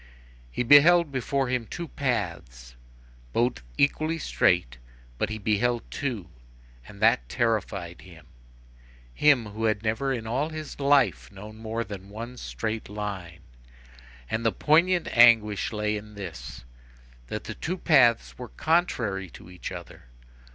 He beheld before him two paths, both equally straight, but he beheld two; and that terrified him; him, who had never in all his life known more than one straight line. And, the poignant anguish lay in this, that the two paths were contrary to each other.